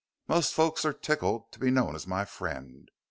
"Most folks are tickled to be known as my friend.